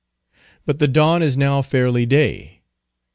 But the dawn is now fairly day.